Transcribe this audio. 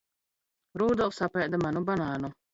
R?dolfs ap?da manu ban?nu.